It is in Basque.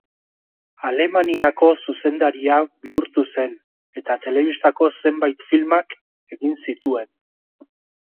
Alemaniako zuzendaria bihurtu zen eta telebistako zenbait filmak egin zituen.